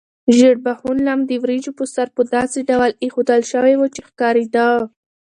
ژیړبخون لم د وریجو په سر په داسې ډول ایښودل شوی و چې ښکارېده.